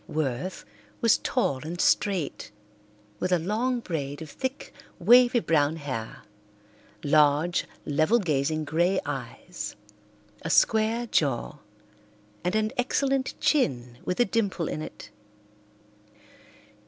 Worth was tall and straight, with a long braid of thick, wavy brown hair, large, level gazing grey eyes, a square jaw, and an excellent chin with a dimple in it.